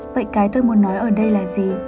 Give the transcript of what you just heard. vậy cái tôi muốn nói ở đây là gì